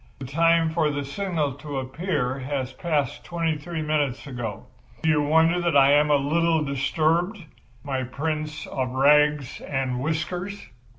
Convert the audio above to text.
The time for the signal to appear has passed twenty three minutes ago. Do you wonder that I am a little disturbed, my Prince of Rags and Whiskers?"